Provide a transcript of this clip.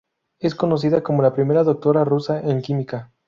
Es conocida como la primera doctora rusa en química.